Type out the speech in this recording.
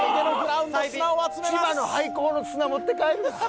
千葉の廃校の砂持って帰るな。